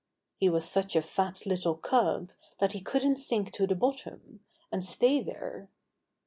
He was such a fat little cub that he couldn't sink to the bottom, and stay there.